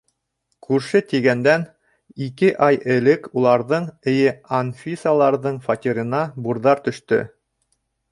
Күрше тигәндән, ике ай элек уларҙың, эйе, Анфисаларҙың, фатирына бурҙар төштө.